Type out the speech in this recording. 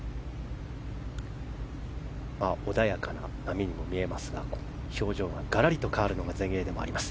穏やかな波にも見えますが表情ががらりと変わるのが全英でもあります。